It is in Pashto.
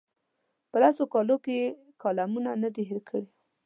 په لسو کالو کې یې کالمونه نه دي هېر کړي.